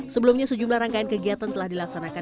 sebelumnya sejumlah rangkaian kegiatan telah dilaksanakan